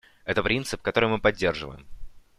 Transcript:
Это принцип, который мы поддерживаем.